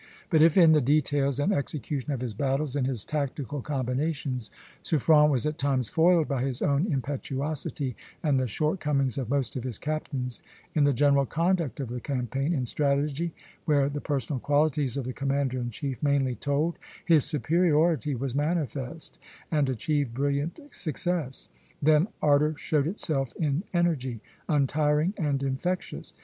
But if, in the details and execution of his battles, in his tactical combinations, Suffren was at times foiled by his own impetuosity and the short comings of most of his captains, in the general conduct of the campaign, in strategy, where the personal qualities of the commander in chief mainly told, his superiority was manifest, and achieved brilliant success. Then ardor showed itself in energy, untiring and infectious.